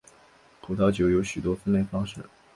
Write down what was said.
葡萄酒有许多分类方式。